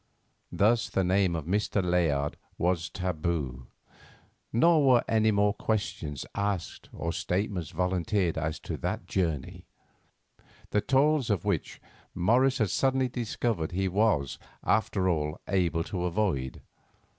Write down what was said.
Thus the name of Mr. Layard was "taboo," nor were any more questions asked, or statements volunteered as to that journey, the toils of which Morris had suddenly discovered he was after all able to avoid.